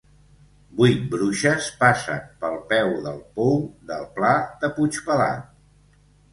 Vuit bruixes passen pel peu del pou del pla de Puig-pelat.